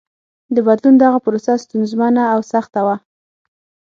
د بدلون دغه پروسه ستونزمنه او سخته وه.